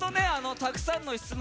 たくさんの質問